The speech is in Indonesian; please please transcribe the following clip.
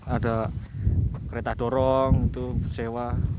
ada kereta dorong sewa